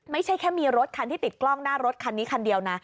ไม่ใช่แค่มีรถคันที่ติดกล้องหน้ารถคันนี้คันเดียวนะ